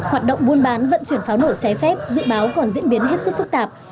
hoạt động buôn bán vận chuyển pháo nổ trái phép dự báo còn diễn biến hết sức phức tạp